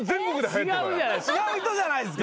違う人じゃないですか。